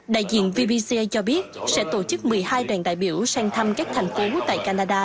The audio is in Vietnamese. đại diện vbca cho biết sẽ tổ chức một mươi hai đoàn đại biểu sang thăm các thành phố tại canada